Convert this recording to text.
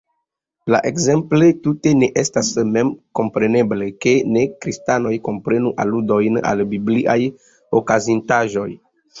Ekzemple, tute ne estas memkompreneble, ke ne-kristanoj komprenu aludojn al bibliaj okazintaĵoj.